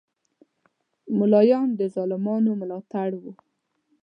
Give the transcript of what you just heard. مولایان د ظالمانو ملاتړ وی